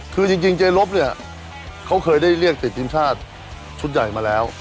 คือจริงเจลบเนี่ยเขาเคยได้เรียกติดทีมชาติชุดใหญ่มาแล้ว